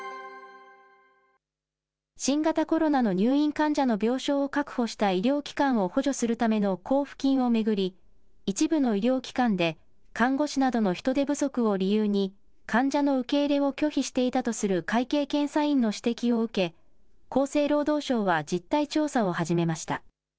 新型コロナの入院患者の病床を確保した医療機関を補助するための交付金を巡り、一部の医療機関で看護師などの人手不足を理由に、患者の受け入れを拒否していたとする会計検査院の指摘を受け、厚生労働省は実態調査を始めました。